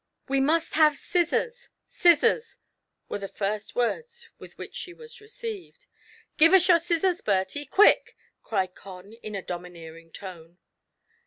" We must have scissors — scissors !" were the first words with which she was received. " Give us your scissors, Bertie ; quick 1 " cried Con in a domineering tone.